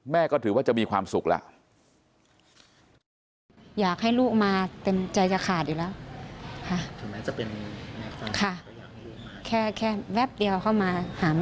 แม่ก็ถือว่าจะมีความสุขละ